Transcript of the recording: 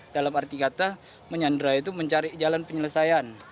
dalam arti kata menyandra itu mencari jalan penyelesaian